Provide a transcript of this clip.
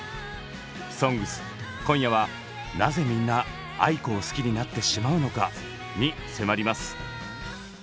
「ＳＯＮＧＳ」今夜は「なぜみんなａｉｋｏを好きになってしまうのか」に迫ります。